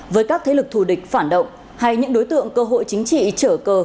với các thế lực thù địch phản động hay những đối tượng cơ hội chính trị trở cờ